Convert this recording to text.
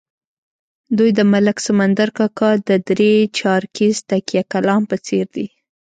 دوی د ملک سمندر کاکا د درې چارکیز تکیه کلام په څېر دي.